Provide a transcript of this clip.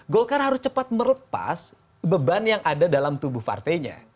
golkar harus cepat melepas beban yang ada dalam tubuh partainya